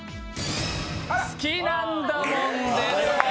「好きなんだもん」です。